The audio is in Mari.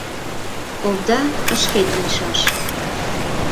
— Овда шкет лийшаш.